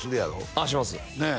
あっしますねえ